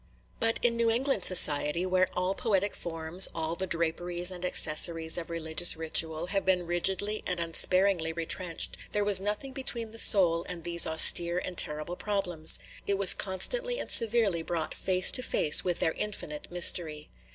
But in New England society, where all poetic forms, all the draperies and accessories of religious ritual, have been rigidly and unsparingly retrenched, there was nothing between the soul and these austere and terrible problems; it was constantly and severely brought face to face with their infinite mystery.